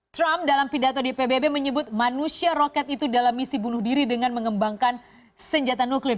trump dalam pidato di pbb menyebut manusia roket itu dalam misi bunuh diri dengan mengembangkan senjata nuklir